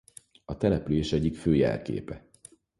A település egyik fő jelképe.